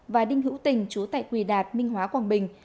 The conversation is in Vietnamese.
và đinh hữu tình chú tại quỳ đạt minh hóa quảng bình